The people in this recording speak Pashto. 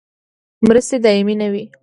مرستې دایمي نه وي